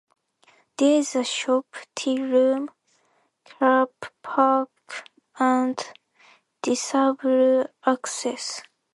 There is a shop, tea room, car park and disabled access.